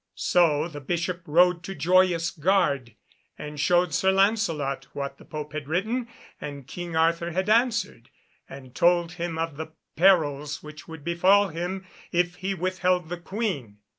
So the Bishop rode to Joyous Gard and showed Sir Lancelot what the Pope had written and King Arthur had answered, and told him of the perils which would befall him if he withheld the Queen.